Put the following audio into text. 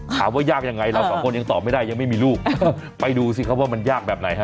ว่ายากยังไงเราสองคนยังตอบไม่ได้ยังไม่มีลูกไปดูสิครับว่ามันยากแบบไหนฮ